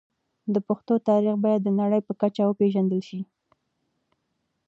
د پښتنو تاريخ بايد د نړۍ په کچه وپېژندل شي.